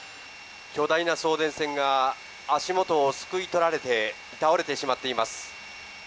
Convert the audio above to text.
巨大な送電線が足元をすくい取られて倒れてしまっています。